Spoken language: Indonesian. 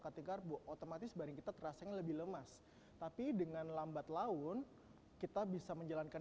kata karbo otomatis barang kita terasa lebih lemas tapi dengan lambat laun kita bisa menjalankan